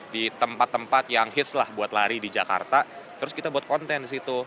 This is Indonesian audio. di tempat tempat yang hits lah buat lari di jakarta terus kita buat konten di situ